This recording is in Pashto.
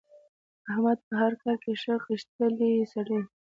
احمد په هر کار کې ښه غښتلی سړی دی.